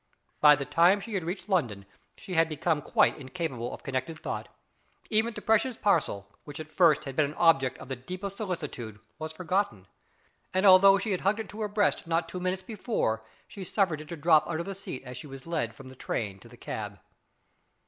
By the time she had reached London she had become quite incapable of connected thought. Even the precious parcel, which at first had been an object of the deepest solicitude, was forgotten; and although she had hugged it to her breast not two minutes before, she suffered it to drop under the seat as she was led from the train to the cab.